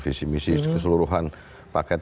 visi misi keseluruhan paket